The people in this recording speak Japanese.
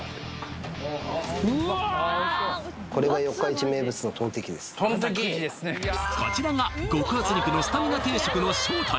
これがトンテキこちらが極厚肉のスタミナ定食の正体